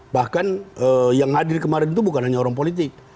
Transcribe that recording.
bahkan yang hadir kemarin itu bukan hanya orang politik